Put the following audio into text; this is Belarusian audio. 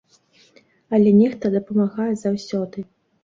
Але нехта дапамагае заўсёды.